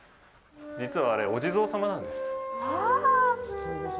実はあれ、お地蔵様なんです。